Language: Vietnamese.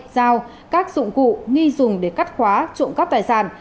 dao các dụng cụ nghi dùng để cắt khóa trộm cắp tài sản